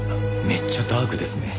めっちゃダークですね。